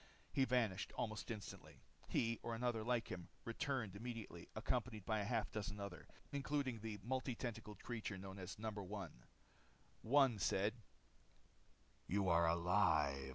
He vanished almost instantly. He, or another like him, returned immediately accompanied by a half dozen others, including the multi tentacled creature known as No. 1. One said, "You are alive."